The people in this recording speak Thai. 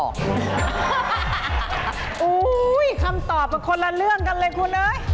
คำตอบเป็นคนละเรื่องกันเลยคุณเอ๋ย